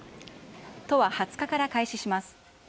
都は２０日から開始します。